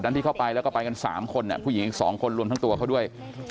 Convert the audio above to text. ที่เข้าไปแล้วก็ไปกัน๓คนผู้หญิงอีก๒คนรวมทั้งตัวเขาด้วย